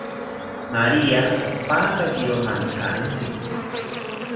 Maria opankayiro mantarentzi